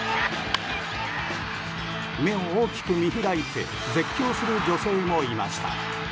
目を大きく見開いて絶叫する女性もいました。